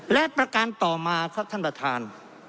และประการต่อมาครับท่านประธาน